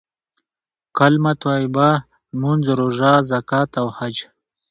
کليمه طيبه، لمونځ، روژه، زکات او حج.